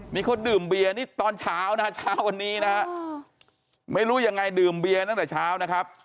นี่เขาดื่มเบียร์นี่ตอนเช้านะฮะเช้าวันนี้นะฮะไม่รู้ยังไงดื่มเบียร์ตั้งแต่เช้านะครับ